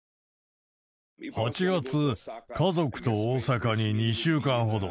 ８月、家族と大阪に２週間ほど。